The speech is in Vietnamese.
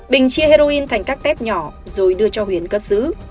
bình chia heroin thành các tép nhỏ rồi đưa cho huyền cất giữ